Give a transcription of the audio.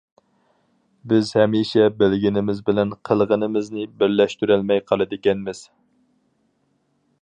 بىز ھەمىشە بىلگىنىمىز بىلەن قىلغىنىمىزنى بىرلەشتۈرەلمەي قالىدىكەنمىز.